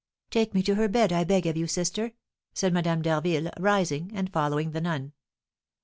"Take me to her bed, I beg of you, sister," said Madame d'Harville, rising and following the nun.